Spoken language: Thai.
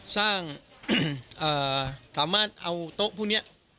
สร้างสามารถเอาโต๊ะพวกนี้